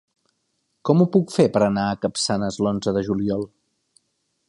Com ho puc fer per anar a Capçanes l'onze de juliol?